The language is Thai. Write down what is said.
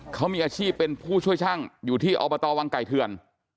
เขามีอาชีพเป็นผู้ช่วยช่างอยู่ที่อบตวังไก่เถื่อน